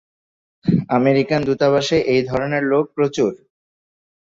American দূতাবাসে এই ধরণের লোক প্রচুর।